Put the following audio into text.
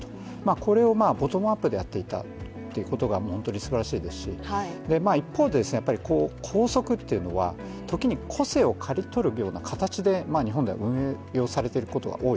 これをボトムアップでやっていたってことが本当にすばらしいですし、一方で、校則というのは時に個性を刈り取るような形で日本では運用されていることが多い。